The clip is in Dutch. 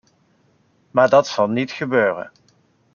Maar dat zal niet gebeuren.